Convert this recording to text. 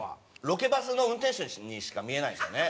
ロケバスの運転手にしか見えないんですよね。